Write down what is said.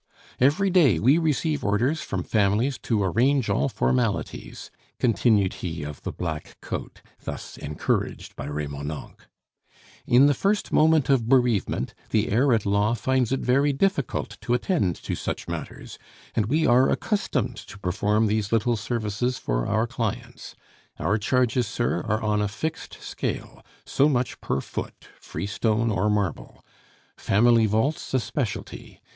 "Every day we receive orders from families to arrange all formalities," continued he of the black coat, thus encouraged by Remonencq. "In the first moment of bereavement, the heir at law finds it very difficult to attend to such matters, and we are accustomed to perform these little services for our clients. Our charges, sir, are on a fixed scale, so much per foot, freestone or marble. Family vaults a specialty.